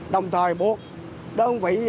đồng thời buộc đơn vị